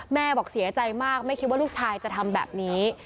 บอกเสียใจมากไม่คิดว่าลูกชายจะทำแบบนี้